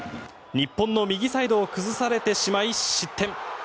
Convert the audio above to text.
日本の右サイドを崩されてしまい失点。